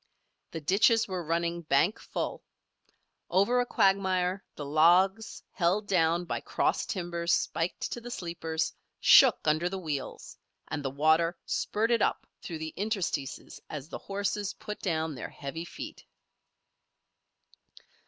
The ditches were running bank full. Over a quagmire the logs, held down by cross timbers spiked to the sleepers, shook under the wheels, and the water spurted up through the interstices as the horses put down their heavy feet.